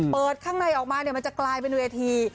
ข้างในออกมาเนี่ยมันจะกลายเป็นเวที